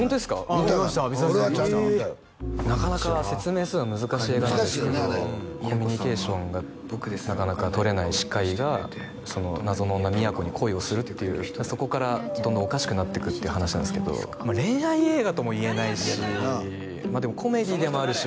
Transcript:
見たがな見させていただきましたなかなか説明するのが難しい映画なんですけどコミュニケーションがなかなか取れない歯科医が謎の女宮子に恋をするっていうそこからどんどんおかしくなっていくっていう話なんですけど恋愛映画とも言えないしまあでもコメディーでもあるし